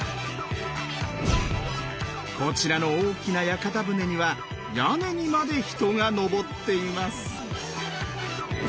こちらの大きな屋形船には屋根にまで人が上っています。